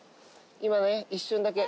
今ね、一瞬だけ。